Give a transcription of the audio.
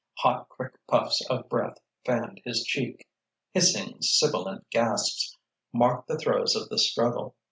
Hot, quick puffs of breath fanned his cheek. Hissing, sibilant gasps marked the throes of the struggle.